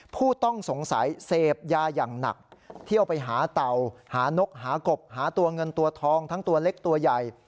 ผู้ต้องสงสัยเสพยาอย่างหนักเที่ยวไปหาเต่าหานกหากบหาตัวเงินตัวทองทั้งตัวเล็กตัวใหญ่